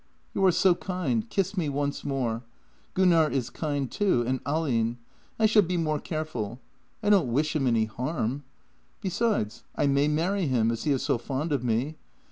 "You are so kind. Kiss me once more! Gunnar is kind, too — and Ahlin. I shall be more careful. I don't wish him any harm. Besides, I may marry him, as he is so fond of me.